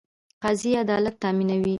قاضي عدالت تامینوي